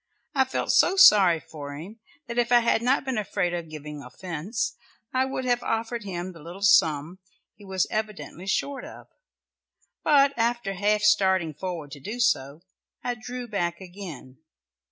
I felt so sorry for him that if I had not been afraid of giving offence, I would have offered him the little sum he was evidently short of, but after half starting forward to do so, I drew back again.